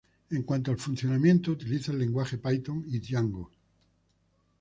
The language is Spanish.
En cuanto al funcionamiento, utiliza el lenguaje Python y Django.